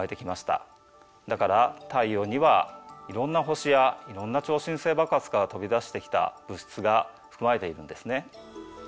だから太陽にはいろんな星やいろんな超新星爆発から飛び出してきた物質が含まれているんですね。